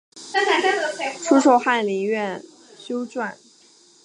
初授翰林院修撰。